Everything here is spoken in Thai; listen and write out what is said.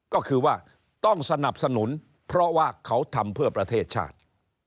ก็คือว่าต้องสนับสนุนเพราะว่าเขาทำเพื่อประเทศชาติ